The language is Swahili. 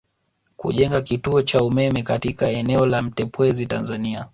Kujenga kituo cha umeme katika eneo la Mtepwezi Tanzania